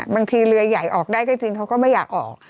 บางทีเรือใหญ่ออกได้ก็จริงเขาก็ไม่อยากออก